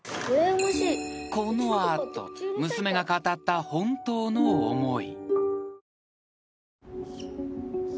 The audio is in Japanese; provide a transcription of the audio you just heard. ［この後娘が語った本当の思い］